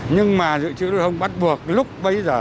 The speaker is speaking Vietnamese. nhưng mà dự trữ lưu thông bắt buộc lúc bây giờ